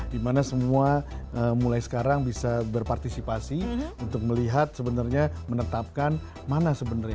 dimana semua mulai sekarang bisa berpartisipasi untuk melihat sebenarnya menetapkan mana sebenarnya